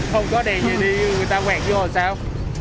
không có đèn gì đi người ta quẹt vô là sao